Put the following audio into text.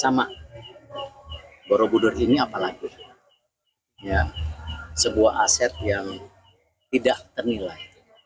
sama borobudur ini apalagi sebuah aset yang tidak ternilai